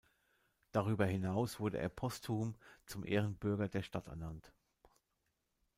Darüber hinaus wurde er postum zum Ehrenbürger der Stadt ernannt.